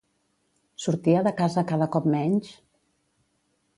Sortia de casa cada cop menys?